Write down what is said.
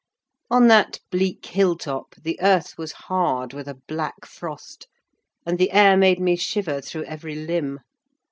On that bleak hill top the earth was hard with a black frost, and the air made me shiver through every limb.